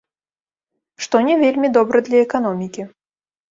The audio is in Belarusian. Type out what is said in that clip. Што не вельмі добра для эканомікі.